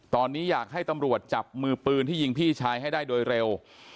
ตอนนี้อยากให้ตำรวจจับมือปืนที่ยิงพี่ชายให้ได้โดยเร็ว